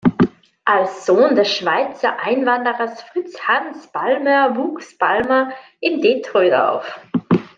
Als Sohn des Schweizer Einwanderers Fritz Hans Ballmer wuchs Ballmer in Detroit auf.